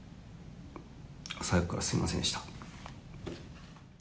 朝早くからすみませんでした。